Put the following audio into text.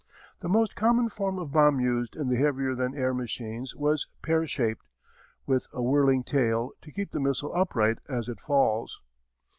The most common form of bomb used in the heavier than air machines was pear shaped, with a whirling tail to keep the missile upright as it falls.